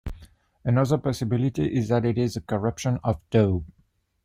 Another possibility is that it is a corruption of "dough".